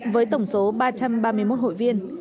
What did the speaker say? với tổng số ba trăm ba mươi một hội viên